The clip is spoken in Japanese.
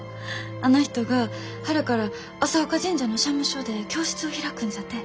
あの人が春から朝丘神社の社務所で教室を開くんじゃてえ。